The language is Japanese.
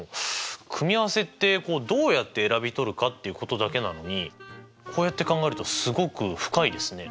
組合せってどうやって選びとるかっていうことだけなのにこうやって考えるとすごく深いですね。